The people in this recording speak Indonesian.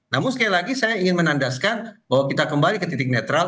namun sekali lagi saya ingin menandaskan bahwa kita kembali ke titik netral